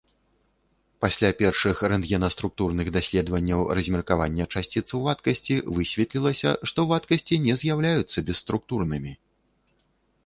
Пасля першых рэнтгенаструктурных даследаванняў размеркавання часціц ў вадкасці высветлілася, што вадкасці не з'яўляюцца бесструктурнымі.